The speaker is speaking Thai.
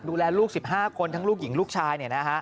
ดูแลลูก๑๕คนทั้งลูกหญิงลูกชาย